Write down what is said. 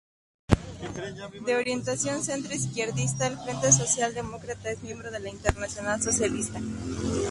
De orientación centro-izquierdista, el Frente Socialdemócrata es miembro de la Internacional Socialista.